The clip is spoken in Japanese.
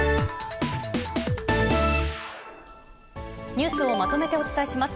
ニュースをまとめてお伝えします。